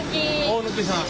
大貫さん。